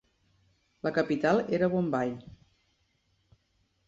La capital era Bombai.